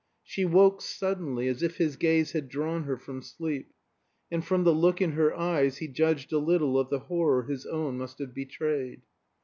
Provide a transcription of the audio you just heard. She woke suddenly, as if his gaze had drawn her from sleep; and from the look in her eyes he judged a little of the horror his own must have betrayed.